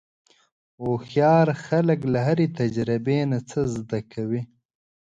هوښیار خلک له هرې تجربې نه څه زده کوي.